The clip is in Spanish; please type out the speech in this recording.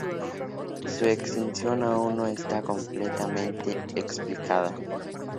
Su extinción aún no está completamente explicada.